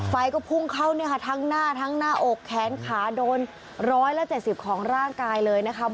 ไฟก็พุ่งเข้าทั้งหน้าทั้งหน้าอกแขนขาโดนร้อยละ๗๐ของร่างกายเลยนะคะ